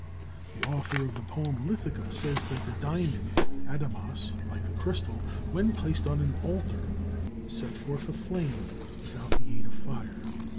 The author of the poem "Lithica" says that the diamond (adamas), like the crystal, when placed on an altar, sent forth a flame without the aid of fire.